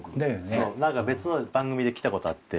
そう何か別の番組で来たことあって。